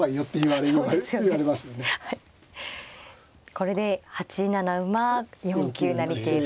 これで８七馬４九成桂と。